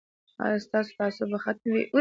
ایا ستاسو تعصب به ختم وي؟